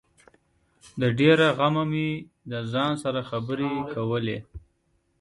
د ډېره غمه مې د ځان سره خبري کولې